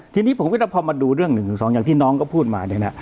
ทีนี้ผมคิดว่าพอมาดูเรื่องหนึ่งหรือสองอย่างที่น้องก็พูดมา